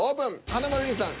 華丸兄さん